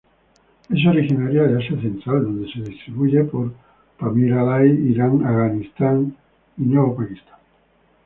Es originaria de Asia Central, donde se distribuye por Pamir-Alai, Irán, Afganistán, N. Pakistán.